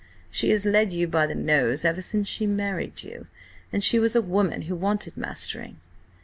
She has led you by the nose ever since she married you, and she was a woman who wanted mastering!"